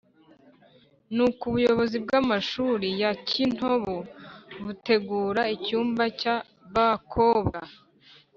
nuko ubuyobozi bwa mashuri ya kintobo butegura icyumba cya bakobwa